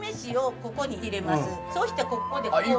そうしてここでこう。